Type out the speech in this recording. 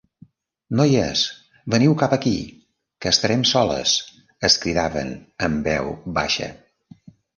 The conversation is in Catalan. -Noies, veniu cap aquí, que estarem soles!- es cridaven amb veu baixa.